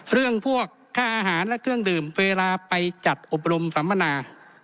เรื่องพวกค่าอาหารและเครื่องดื่มเวลาไปจัดอบรมสัมมนา